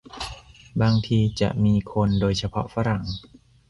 บางทีจะมีคน โดยเฉพาะฝรั่ง